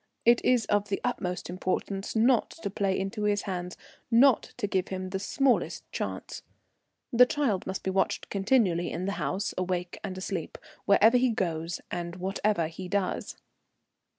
It is of the utmost importance not to play into his hands, not to give him the smallest chance. The child must be watched continually in the house, awake and asleep, wherever he goes and whatever he does."